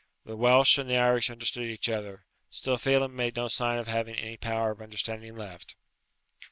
The Welsh and the Irish understand each other, still Phelem made no sign of having any power of understanding left.